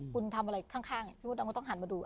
คุณทำอะไรข้างพี่มดดำก็ต้องหันมาดู